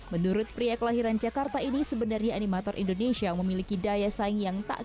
menurut pria kelahiran jakarta ini sebenarnya animator indonesia memiliki daya saing yang tak